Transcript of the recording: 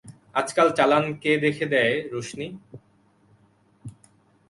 আজকাল চালান কে দেখে দেয় রোশনি।